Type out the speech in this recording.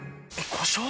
故障？